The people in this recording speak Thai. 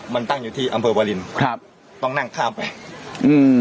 มันตั้งอยู่ที่อำเภอวาลินครับต้องนั่งข้ามไปอืม